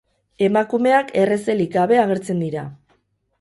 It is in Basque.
Emakumeak errezelik gabe agertzen dira.